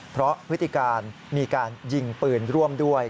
เพราะพฤติการมีการยิงปืนร่วมด้วย